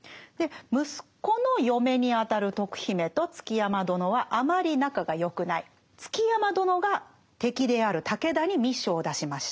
息子の嫁にあたる徳姫と築山殿はあまり仲が良くない築山殿が敵である武田に密書を出しました。